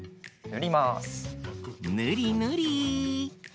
ぬりぬり。